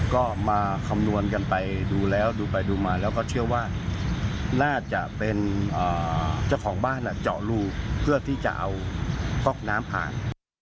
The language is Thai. ก็มาคำนวณกันไปดูแล้วดูไปดูมาแล้วก็เชื่อว่าน่าจะเป็นเจ้าของบ้านเจาะรูเพื่อที่จะเอาก๊อกน้ำผ่าน